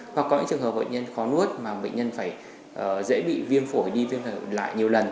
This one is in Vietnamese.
hoặc có những trường hợp bệnh nhân khó nuốt mà bệnh nhân phải dễ bị viêm phổi đi viêm lại nhiều lần